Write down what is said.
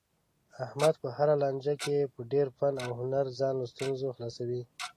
احمد په هره لانجه کې په ډېر فن او هنر ځان له ستونزو خلاصوي.